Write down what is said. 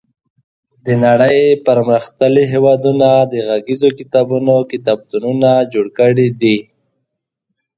د نړۍ پرمختللي هېوادونو د غږیزو کتابونو کتابتونونه جوړ کړي دي.